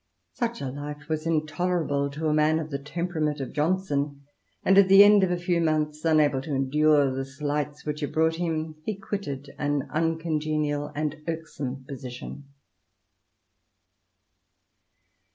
Such a life was intolerable to a man of the temperament of Johnson, and at the end of a few months, unable to endure the slights which it brought him, he quitted an uncongenial and irksome position.